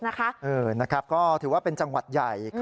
นะครับก็ถือว่าเป็นจังหวัดใหญ่